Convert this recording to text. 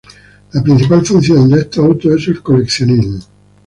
La principal función de estos autos es el coleccionismo.